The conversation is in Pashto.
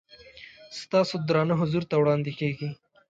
ستاسو درانه حضور ته وړاندې کېږي.